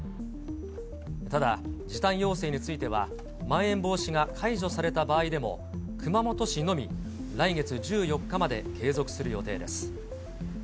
ただ、時短要請については、まん延防止が解除された場合でも、熊本市のみ来月１４日まで継続する予定です。